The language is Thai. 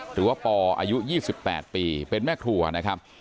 หรือว่าปออายุ๒๘ปีเป็นแม่ครัวนะครับ